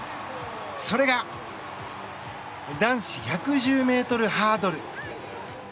それが、男子１１０ｍハードル。